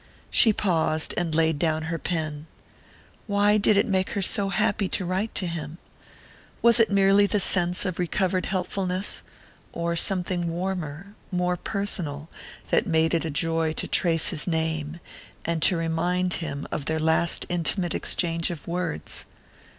She paused, and laid down her pen. Why did it make her so happy to write to him? Was it merely the sense of recovered helpfulness, or something warmer, more personal, that made it a joy to trace his name, and to remind him of their last intimate exchange of words?